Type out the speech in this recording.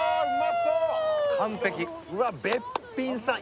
完璧うわべっぴんさん